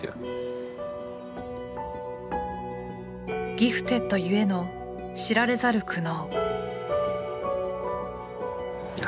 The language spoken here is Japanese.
ギフテッドゆえの知られざる苦悩。